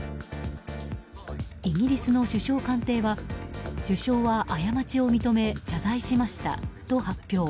イギリスの首相官邸は首相は過ちを認め謝罪しましたと発表。